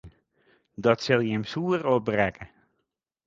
Dat sil jim soer opbrekke.